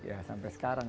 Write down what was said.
ya sampai sekarang